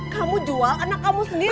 kamu jual karena kamu sendiri